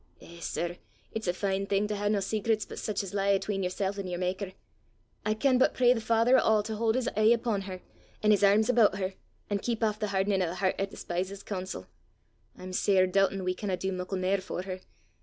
Eh, sir! it's a fine thing to hae nae sacrets but sic as lie 'atween yersel' an' yer makker! I can but pray the Father o' a' to haud his e'e upo' her, an' his airms aboot her, an' keep aff the hardenin' o' the hert 'at despises coonsel! I'm sair doobtin' we canna do muckle mair for her!